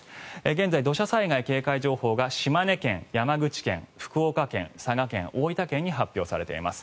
現在、土砂災害警戒情報が島根県、山口県、福岡県、佐賀県大分県に発表されています。